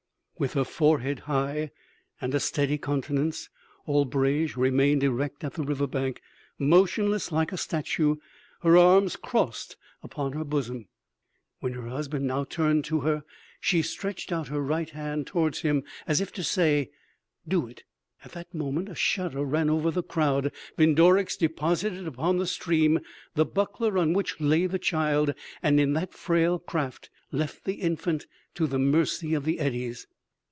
With her forehead high and a steady countenance, Albrege remained erect at the river bank, motionless like a statue, her arms crossed upon her bosom. When her husband now turned to her she stretched out her right hand towards him as if to say: "'Do it!' "At that moment a shudder ran over the crowd. Vindorix deposited upon the stream the buckler on which lay the child, and in that frail craft left the infant to the mercy of the eddies."